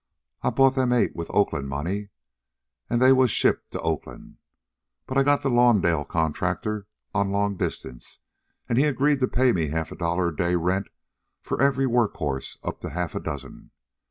I bought them eight with Oakland money, an' they was shipped to Oakland. But I got the Lawndale contractor on long distance, and he agreed to pay me half a dollar a day rent for every work horse up to half a dozen.